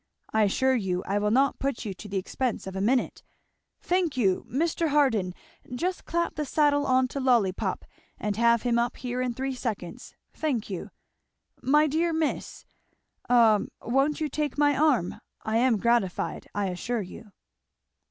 I assure you I will not put you to the expense of a minute Thank you! Mr. Harden! Just clap the saddle on to Lollypop and have him up here in three seconds. Thank you! My dear Miss a won't you take my arm? I am gratified, I assure you."